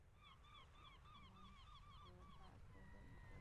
卡皮唐是巴西南大河州的一个市镇。